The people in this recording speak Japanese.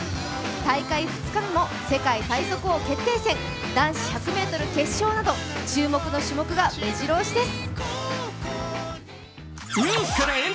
大会２日目も世界最速王決定戦男子１００ｍ決勝など注目の種目がめじろ押しです。